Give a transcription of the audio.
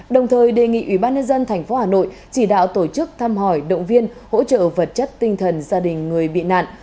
đồng thời đề nghị ủy ban nhân dân tp hà nội chỉ đạo tổ chức thăm hỏi động viên hỗ trợ vật chất tinh thần gia đình người bị nạn